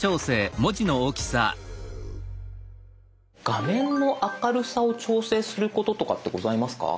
画面の明るさを調整することとかってございますか？